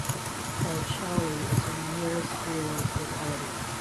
Kalshaly is the nearest rural locality.